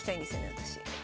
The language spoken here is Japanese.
私。